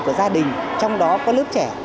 của gia đình trong đó có lớp trẻ